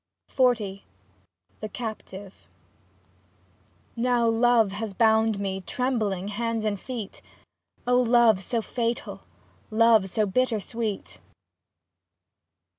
46 XL THE CAPTIVE Now Love has bound me, trembling, hands and feet, O Love so fatal. Love so bitter sweet.